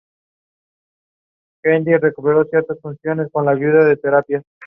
En la primavera participó en las Clásicas de las Ardenas: Flecha Valona y Lieja-Bastoña-Lieja.